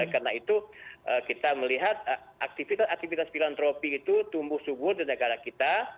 karena itu kita melihat aktivitas aktivitas filantropi itu tumbuh subur di negara kita